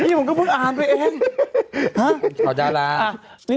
พี่ผมเพิ่งอ่านแบบนั้นพี่